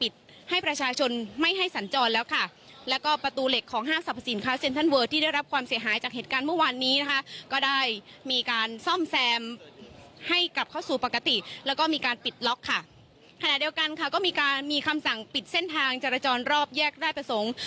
ที่กลับเข้าสู่ปกติแล้วก็มีการปิดล็อกค่ะขณะเดียวกันค่ะก็มีการมีคำสั่งปิดเส้นทางจรจรรยอบแยกราชประสงค์